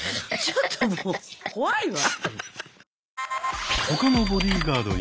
ちょっともう怖いわ。